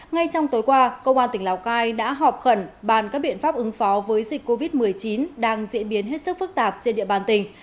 ngay trong tối qua công an tỉnh lào cai đã họp khẩn bàn các biện pháp ứng phó với dịch covid một mươi chín đang diễn biến hết sức phức tạp trên địa bàn tỉnh